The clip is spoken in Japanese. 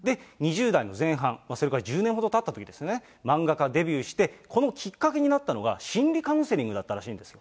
２０代の前半、それから１０年ほどたったときに、漫画家デビューしてこのきっかけになったのが、心理カウンセリングだったそうです。